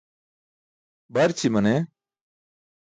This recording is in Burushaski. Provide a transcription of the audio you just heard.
Barći mane.